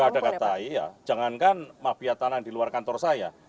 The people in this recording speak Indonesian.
gak ada kata iya jangankan mafia tanah yang di luar kantor saya